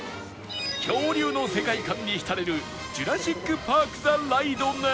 恐竜の世界観に浸れるジュラシック・パーク・ザ・ライドなど